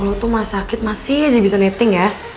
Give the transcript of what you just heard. lo tuh masih sakit masih aja bisa netting ya